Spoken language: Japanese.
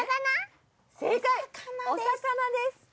お魚です。